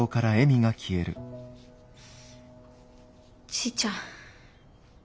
じいちゃん